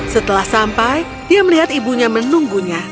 setelah sampai dia melihat ibunya menunggunya